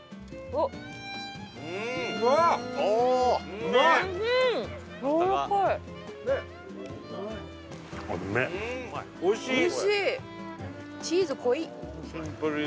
おいしい！